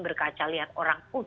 berkaca lihat orang